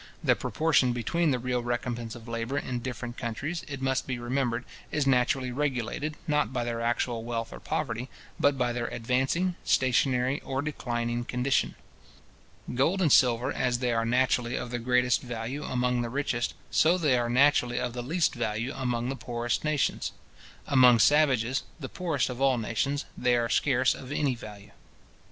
The proportion between the real recompence of labour in different countries, it must be remembered, is naturally regulated, not by their actual wealth or poverty, but by their advancing, stationary, or declining condition. Gold and silver, as they are naturally of the greatest value among the richest, so they are naturally of the least value among the poorest nations. Among savages, the poorest of all nations, they are scarce of any value.